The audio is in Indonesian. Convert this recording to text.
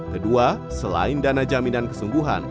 kedua selain dana jaminan kesungguhan